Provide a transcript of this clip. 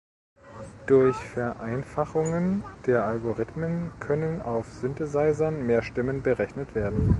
Durch Vereinfachungen der Algorithmen können auf Synthesizern mehr Stimmen berechnet werden.